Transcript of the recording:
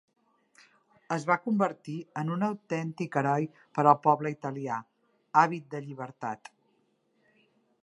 Es va convertir en un autèntic heroi per al poble italià, àvid de llibertat.